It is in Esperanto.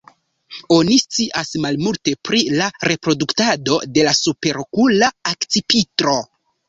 Oni scias malmulte pri la reproduktado de la Superokula akcipitro.